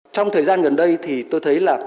trong thời gian gần đây thì tôi thấy là